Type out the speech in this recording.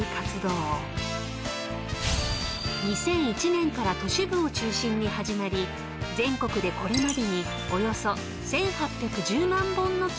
［２００１年から都市部を中心に始まり全国でこれまでにおよそ１，８１０万本の木が植えられました］